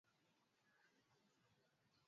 N'thunga akikama ng'ombe vechu akatowa madhiwa